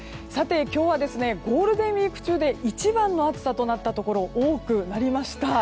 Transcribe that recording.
今日はゴールデンウィーク中で一番の暑さとなったところ多くなりました。